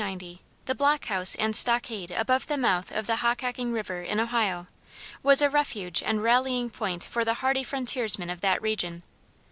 ] In the year 1790, the block house and stockade above the mouth, of the Hockhocking river in Ohio, was a refuge and rallying point for the hardy frontiersmen of that region.